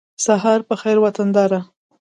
سهار په خېر وطنداره